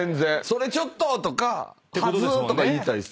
それちょっととかはずっ！とか言いたいです。